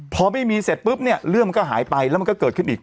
พอไม่มีเสร็จปุ๊บเนี่ยเรื่องมันก็หายไปแล้วมันก็เกิดขึ้นอีก